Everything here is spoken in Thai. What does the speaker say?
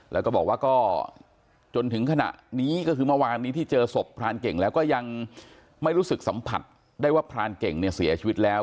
แล้วก็บอกว่าก็จนถึงขณะนี้ก็คือเมื่อวานนี้ที่เจอศพพรานเก่งแล้วก็ยังไม่รู้สึกสัมผัสได้ว่าพรานเก่งเนี่ยเสียชีวิตแล้ว